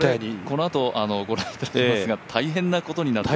このあとご覧いただきますが大変なことになるという。